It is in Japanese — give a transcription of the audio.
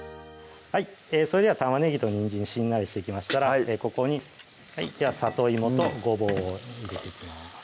それでは玉ねぎとにんじんしんなりしてきましたらここにさといもとごぼうを入れていきます